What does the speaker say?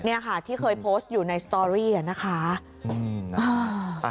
นี่ค่ะที่เคยโพสต์อยู่ในสตอรี่นะคะ